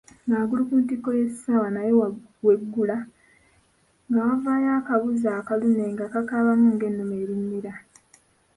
Nga waggulu ku ntikko y’essaawa nayo weggula ng’evaayo akabuzi akalume nga kakaabamu ng’ennume erinnyira.